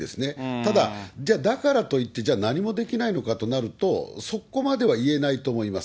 ただ、じゃあ、だからといって、じゃあ、何もできないのかとなると、そこまでは言えないと思います。